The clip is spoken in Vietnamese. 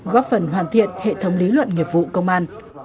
góp phần hoàn thiện hệ thống lý luận nghiệp vụ công an